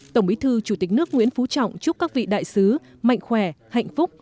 tổng bí thư chủ tịch nước nguyễn phú trọng chúc các vị đại sứ mạnh khỏe hạnh phúc